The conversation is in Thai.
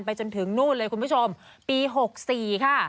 จนถึงนู่นเลยคุณผู้ชมปี๖๔ค่ะ